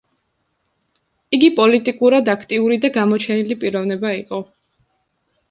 იგი პოლიტიკურად აქტიური და გამოჩენილი პიროვნება იყო.